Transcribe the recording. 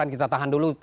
kita tahan dulu